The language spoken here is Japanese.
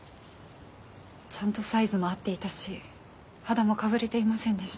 ちゃんとサイズも合っていたし肌もかぶれていませんでした。